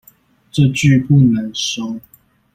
這句不能收